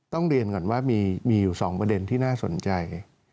ต้องเรียนก่อนว่ามีอยู่๒ประเด็นที่น่าสนใจ